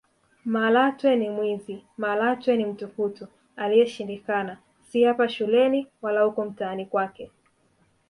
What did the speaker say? Malatwe ni mwizi Malatwe ni mtukutu aliyeshindikana si hapa shuleni wala huko mtaani kwake